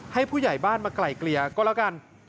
ผู้ใหญ่บ้านมาไกล่เกลี่ยก็แล้วกัน